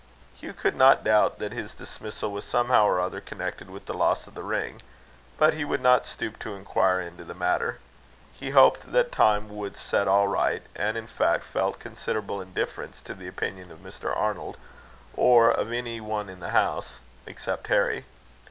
Hugh could not doubt that his dismissal was somehow or other connected with the loss of the ring; but he would not stoop to inquire into the matter. He hoped that time would set all right; and, in fact, felt considerable indifference to the opinion of Mr. Arnold, or of any one in the house, except Harry.